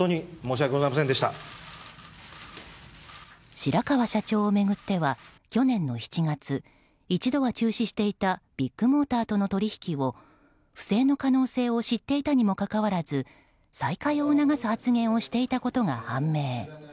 白川社長を巡っては去年の７月一度は中止していたビッグモーターとの取引を不正の可能性を知っていたにもかかわらず再開を促す発言をしていたことが判明。